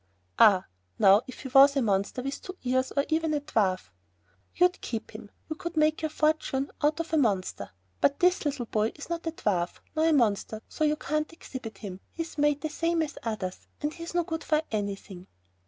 "Ah, now if he was a monster with two ears, or even a dwarf...." "You'd keep him, you could make your fortune out of a monster. But this little boy is not a dwarf, nor a monster, so you can't exhibit him: he's made the same as others, and he's no good for anything."